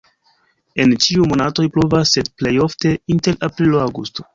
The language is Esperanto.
En ĉiuj monatoj pluvas, sed plej ofte inter aprilo-aŭgusto.